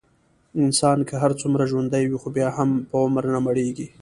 انسان که هرڅومره ژوندی وي، خو بیا هم په عمر نه مړېږي.